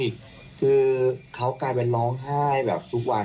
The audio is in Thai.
คือเขากลายเป็นร้องไห้แบบทุกวัน